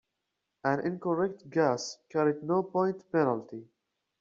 An incorrect guess carried no point penalty.